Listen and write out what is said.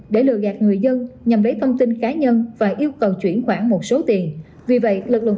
để lừa gạt người dân nhằm lấy thông tin cá nhân và yêu cầu chuyển khoản một số tiền vì vậy lực lượng